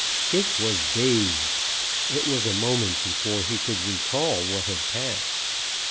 Dick was dazed. It was a moment before he could recall what had passed.